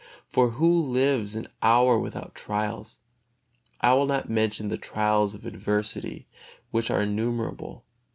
For who lives an hour without trials? I will not mention the trials of adversity, which are innumerable.